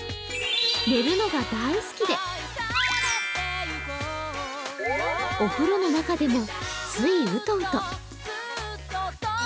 寝るのが大好きで、お風呂の中でもついウトウト。